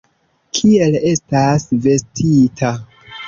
Kiel estas vestita.